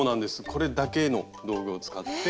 これだけの道具を使って。